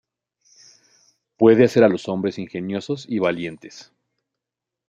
Puede hacer a los hombres ingeniosos y valientes.